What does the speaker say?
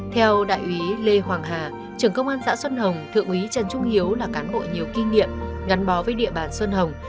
theo đại úy lê hoàng hà trưởng công an xã xuân hồng thượng úy trần trung hiếu là cán bộ nhiều kinh nghiệm gắn bó với địa bàn xuân hồng